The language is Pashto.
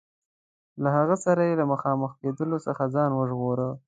له هغوی سره یې له مخامخ کېدلو څخه ځان ژغوره.